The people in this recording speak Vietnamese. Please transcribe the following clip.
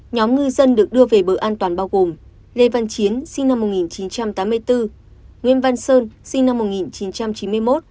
nhóm ngư dân được đưa về bờ an toàn bao gồm lê văn chiến sinh năm một nghìn chín trăm tám mươi bốn nguyễn văn sơn sinh năm một nghìn chín trăm chín mươi một